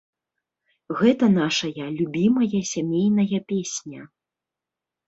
Гэта нашая любімая сямейная песня.